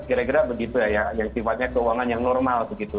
kira kira begitu ya yang sifatnya keuangan yang normal begitu